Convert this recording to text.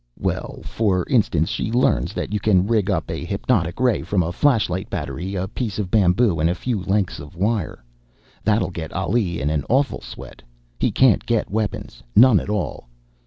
"Well, for instance she learns that you can rig up a hypnotic ray from a flashlight battery, a piece of bamboo, and a few lengths of wire. That'll get Ali in an awful sweat. He can't get weapons. None at all.